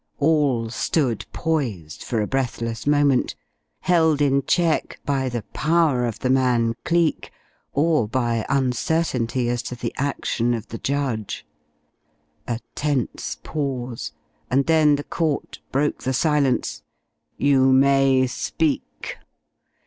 All stood poised for a breathless moment, held in check by the power of the man Cleek, or by uncertainty as to the action of the judge. A tense pause, and then the court broke the silence, "You may speak."